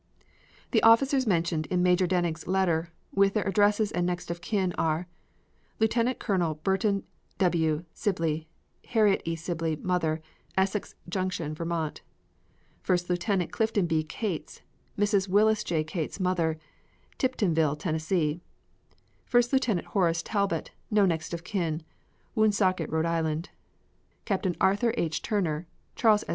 The officers mentioned in Major Denig's letter, with their addresses and next of kin, are: Lieutenant Colonel Berton W. Sibley; Harriet E. Sibley, mother; Essex Junction, Vt. First Lieutenant Clifton B. Cates; Mrs. Willis J. Cates, mother; Tiptonville. Tenn. First Lieutenant Horace Talbot, no next of kin; Woonsocket, R.I. Captain Arthur H. Turner; Charles S.